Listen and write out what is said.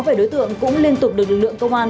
về đối tượng cũng liên tục được lực lượng công an